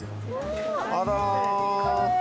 あら。